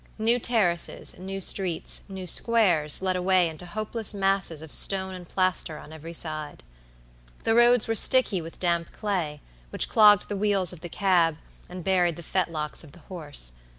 New terraces, new streets, new squares led away into hopeless masses of stone and plaster on every side. The roads were sticky with damp clay, which clogged the wheels of the cab and buried the fetlocks of the horse.